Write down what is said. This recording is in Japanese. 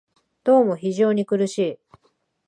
どうも非常に苦しい